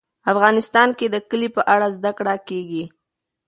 افغانستان کې د کلي په اړه زده کړه کېږي.